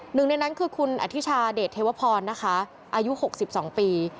หนึ่งในนั้นคือคุณอธิชาเดชเทวพรนะคะอายุ๖๒ปี